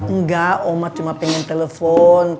enggak umat cuma pengen telepon